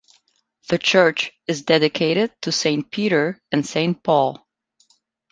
The church is dedicated to Saint Peter and Saint Paul.